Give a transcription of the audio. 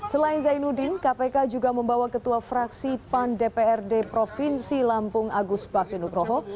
selain zainuddin kpk juga membawa ketua fraksi pan dprd provinsi lampung agus bakti nugroho